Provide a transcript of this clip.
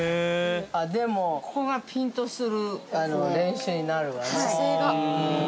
でも、ここがピンとする練習になるわね。